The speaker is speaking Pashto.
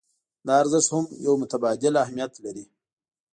دا ارزښت هم يو متبادل اهميت لري.